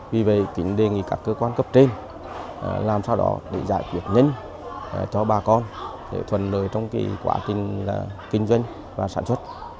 vì vậy tỉnh đề nghị các cơ quan cấp trên làm sao đó để giải quyết nhanh cho bà con để thuần lời trong quá trình kinh doanh và sản xuất